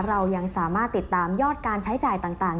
เรายังสามารถติดตามยอดการใช้จ่ายต่าง